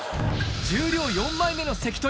十両四枚目の関取